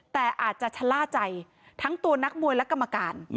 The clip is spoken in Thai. แต่อาจจะชะล่าใจทั้งตัวนักมวยและกรรมการ